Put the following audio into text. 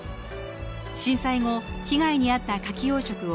震災後、被害に遭ったカキ養殖を